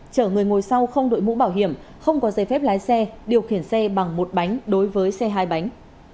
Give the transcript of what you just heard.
chở người ngồi sau không đội mũ bảo hiểm không có giấy phép lái xe điều khiển xe bằng một bánh đối với xe hai bánh